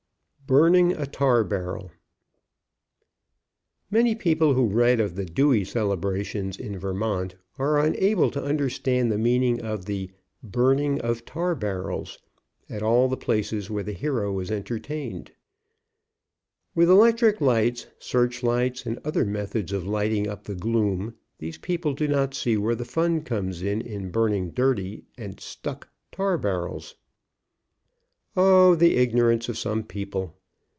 BURNING A TAR BARREL. Many people who read of the Dewey celebrations in Vermont are unable to understand the meaning of the "burning of tar barrels," at all the places where the hero was entertained. With electric lights, search lights, and other methods of lighting up the gloom, these people do not see where the fun comes in in burning dirty and stick tar barrels. Oh, the ignor ance of some people